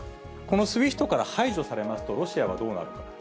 このＳＷＩＦＴから排除されますと、ロシアはどうなるか。